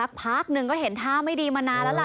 พักหนึ่งก็เห็นท่าไม่ดีมานานแล้วล่ะ